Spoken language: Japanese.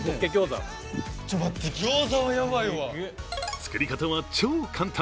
作り方は超簡単。